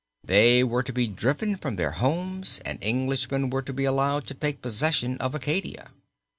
They were to be driven from their homes and Englishmen were to be allowed to take possession of Acadia.